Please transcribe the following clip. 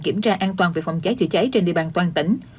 kiểm tra an toàn về phòng cháy chữa cháy trên địa bàn toàn tỉnh